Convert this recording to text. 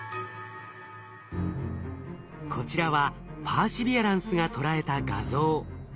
こちらはパーシビアランスが捉えた画像。